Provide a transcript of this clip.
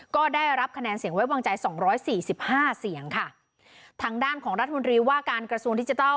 ก็ได้รับคะแนนเสียงไว้วางใจสองร้อยสี่สิบห้าเสียงค่ะทางด้านของรัฐมนตรีว่าการกระทรวงดิจิทัล